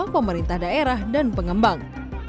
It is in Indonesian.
pemerintah daerah dan pengembang